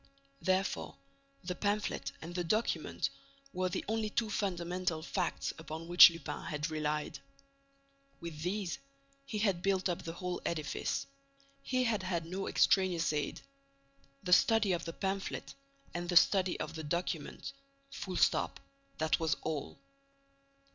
Therefore, the pamphlet and the document were the only two fundamental facts upon which Lupin had relied. With these he had built up the whole edifice. He had had no extraneous aid. The study of the pamphlet and the study of the document—full stop—that was all.